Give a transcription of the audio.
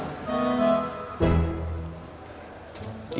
iya kan mal